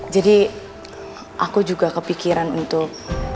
jadi aku juga kepikiran untuk